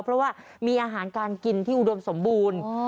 เพราะว่ามีอาหารการกินที่อุดมสมบูรณ์